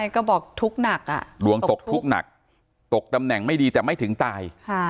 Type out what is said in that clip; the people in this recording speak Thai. ก็บอกทุกข์หนักดวงตกทุกข์หนักตกตำแหน่งไม่ดีแต่ไม่ถึงตาย